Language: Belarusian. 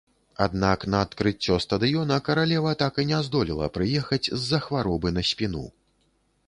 Аднак на адкрыццё стадыёна каралева так і не здолела прыехаць з-за хваробы на спіну.